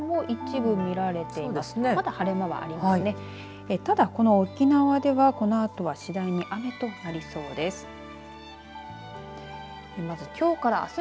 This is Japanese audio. ただ、この沖縄ではこのあとは次第に雨となりそうです。